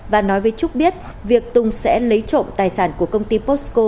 và nói với trúc biết việc tùng sẽ lấy trộm tài sản của công ty posco